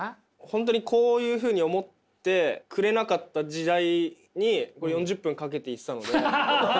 本当にこういうふうに思ってくれなかった時代に４０分かけて行ってたので。